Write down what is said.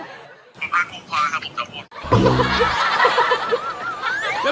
ไม่ได้ครูปลาค่ะผมจะหมด